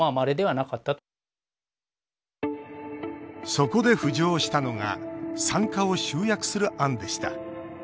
そこで浮上したのが産科を集約する案でした。